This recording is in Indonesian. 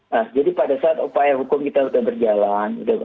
nah jadi pada saat upaya hukum kita sudah berjalan